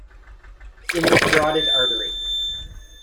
In the carotid artery.